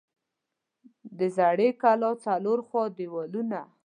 د زړې کلا څلور خوا دیوالونه